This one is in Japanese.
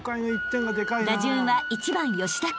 ［打順は１番吉田君］